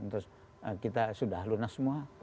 terus kita sudah lunas semua